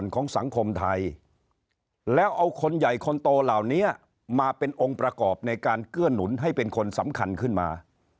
ของสังคมไทยแล้วเอาคนใหญ่คนโตเหล่านี้มาเป็นองค์ประกอบในการเกื้อหนุนให้เป็นคนสำคัญขึ้นมา